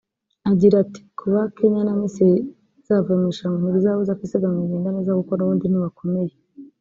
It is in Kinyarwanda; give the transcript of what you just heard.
Agira ati “Kuba Kenya na Misiri zavuye mu irushanwa ntibizabuza ko isiganwa rigenda neza kuko n’ubundi ntibakomeye